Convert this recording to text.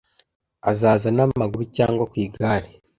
Azaza n'amaguru cyangwa ku igare.